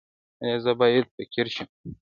ایا زه باید فقیر شم؟